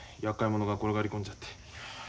やっかい者が転がり込んじゃって。